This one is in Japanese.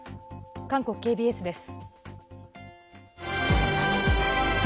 韓国ＫＢＳです。